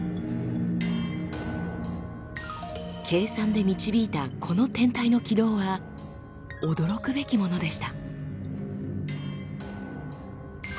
計算で導いたこの天体の軌道は驚くべきものでした。